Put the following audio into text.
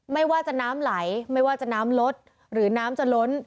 ไม่ว่าจะน้ำไหลไม่ว่าจะน้ำลดหรือน้ำจะล้น